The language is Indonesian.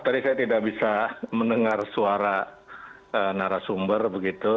tadi saya tidak bisa mendengar suara narasumber begitu